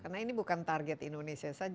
karena ini bukan target indonesia saja